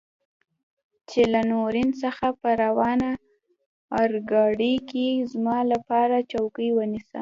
چې له تورین څخه په راروانه اورګاډي کې زما لپاره چوکۍ ونیسي.